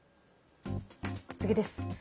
次です。